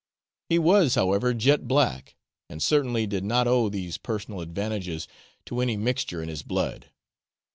He was, however, jet black, and certainly did not owe these personal advantages to any mixture in his blood.